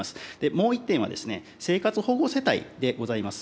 もう１点は生活保護世帯でございます。